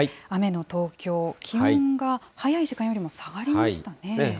雨の東京、気温が早い時間よりも下がりましたね。